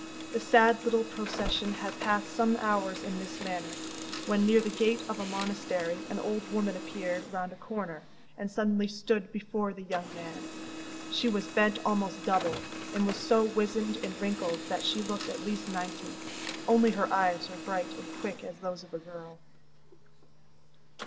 The sad little procession had passed some hours in this manner, when, near the gate of a monastery, an old woman appeared round a corner, and suddenly stood before the young man. She was bent almost double, and was so wizened and wrinkled that she looked at least ninety; only her eyes were bright and quick as those of a girl.